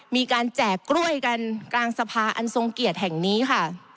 แจกกล้วยกันกลางสภาอันทรงเกียรติแห่งนี้ค่ะ